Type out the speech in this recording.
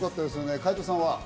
海斗さんは？